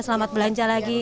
selamat belanja lagi